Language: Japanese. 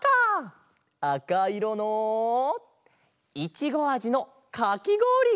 あかいろのいちごあじのかきごおり！